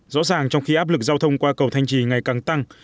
rõ ràng trong khi áp lực giao thông qua cầu thanh trì ngày càng tăng